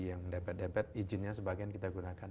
yang debit debit izinnya sebagian kita gunakan